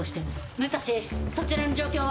武蔵そちらの状況は？